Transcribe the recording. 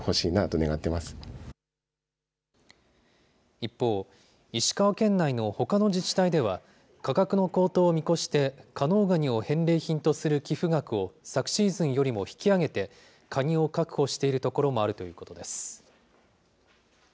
一方、石川県内のほかの自治体では、価格の高騰を見越して、加能ガニを返礼品とする寄付額を昨シーズンよりも引き上げて、カニを確保している所もあるということです。